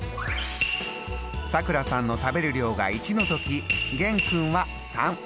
さくらさんの食べる量が１の時玄君は３。